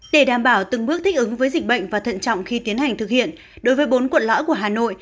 để đảm bảo từng bước thích ứng với dịch bệnh và thận trọng khi tiến hành thực hiện đối với bốn quận lõi của hà nội